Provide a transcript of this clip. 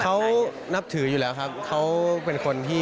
เขานับถืออยู่แล้วครับ